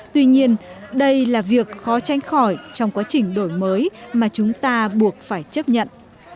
tuy nhiên đây là việc khó tranh khỏi trong quá trình đổi mới mà chúng ta buộc phải chấp nhận